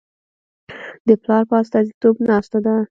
د پلار په استازیتوب ناسته ده.